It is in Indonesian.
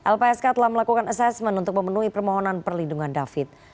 lpsk telah melakukan asesmen untuk memenuhi permohonan perlindungan david